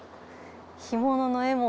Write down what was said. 干物の絵も。